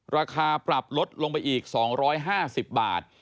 ราคาปรับลดลงไปอีก๒๕๐บาท